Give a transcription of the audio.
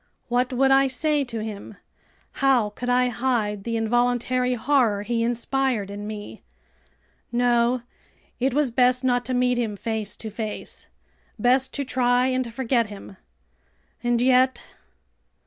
What would I say to him? How could I hide the involuntary horror he inspired in me? No! It was best not to meet him face to face! Best to try and forget him! And yet ..